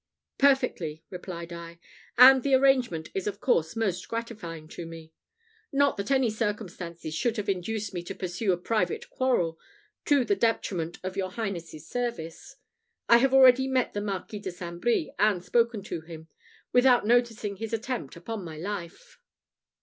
"Perfectly," replied I; "and the arrangement is of course most gratifying to me. Not that any circumstances should have induced me to pursue a private quarrel to the detriment of your Highness's service. I have already met the Marquis de St. Brie and spoken to him, without noticing his attempt upon my life."